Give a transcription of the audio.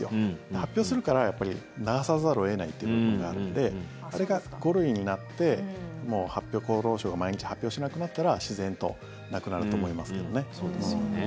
発表するから流さざるを得ないというところがあるのでこれが５類になって厚労省が毎日発表しなくなったら自然となくなると思いますけどね。